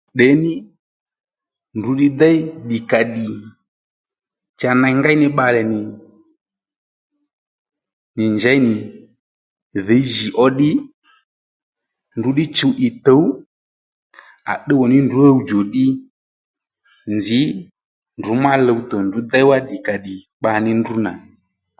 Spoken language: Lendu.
Ddění ndrǔ ní dey ddìkàddì cha ney ngéy ní bbalè nì njèy nì dhǐy jì ó ddí ndrǔ ddí chuw ì tǔw à tdúw wòní ndrǔ ɦuwdjò ddí nzǐ ndrǔ má luwtò ndrǔ déy wá ddì kà ddì kpaní ndrǔ nà